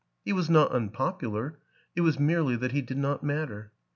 He was not unpopular it was merely that he did not matter.